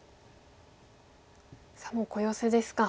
さあもう小ヨセですか。